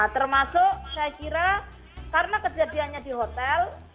termasuk saya kira karena kejadiannya di hotel